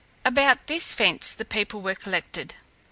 About this fence the people were collected.